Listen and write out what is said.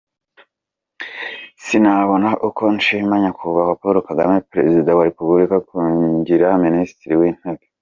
sinabona uko nshima Nyakubahwa Paul Kagame, Perezida wa Repubulika kungira Minisitiri w’Intebe ".